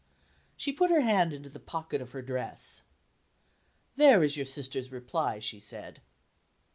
She put her hand into the pocket of her dress. "There is your sister's reply," she said.